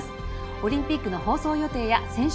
オリンピックの放送予定や選手